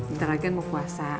ntar lagi kan mau puasa